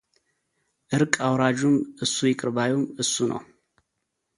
ዕርቅ አውራጁም እሱ ይቅር ባዩም እሱ ነው።